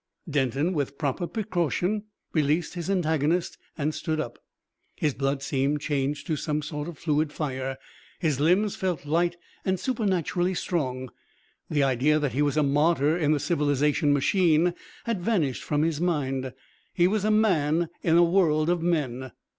Denton, with proper precaution, released his antagonist and stood up. His blood seemed changed to some sort of fluid fire, his limbs felt light and supernaturally strong. The idea that he was a martyr in the civilisation machine had vanished from his mind. He was a man in a world of men.